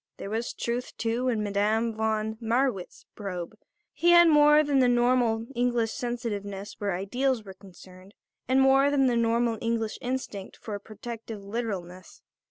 There was truth, too, in Madame von Marwitz's probe. He had more than the normal English sensitiveness where ideals were concerned and more than the normal English instinct for a protective literalness.